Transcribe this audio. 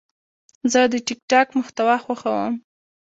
زه د ټک ټاک محتوا خوښوم.